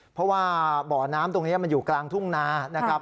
เพราะว่าบ่อน้ำตรงนี้มันอยู่กลางทุ่งนานะครับ